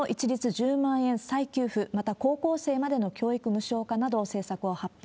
１０万円再給付、また高校生までの教育無償化など政策を発表。